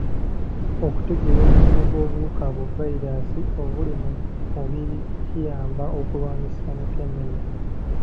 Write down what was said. Okutegeera omuwendo gw'obuwuka bu vayiraasi obuli mu mubiri kiyamba okulwanyisa mukenenya.